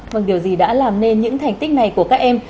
vâng điều gì đã làm nên những thành tích này của các em